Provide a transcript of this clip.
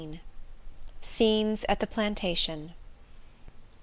XVI. Scenes At The Plantation.